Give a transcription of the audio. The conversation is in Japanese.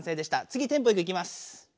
つぎテンポよくいきます。